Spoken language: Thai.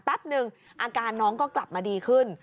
หนึ่งอาการน้องก็กลับมาดีขึ้น